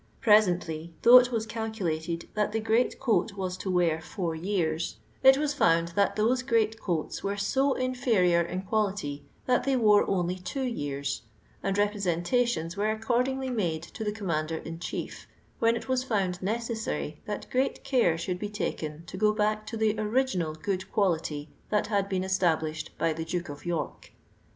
Presently, though it was calculated that the great coat was to wear four years, it was found that those great coats were so it^erior in quality, that they wore only two years, and representations were accordingly made to the Commander in Chief, when it was found necessary that great care should be taken to go back to the original good quality that had been established by the Duke of York."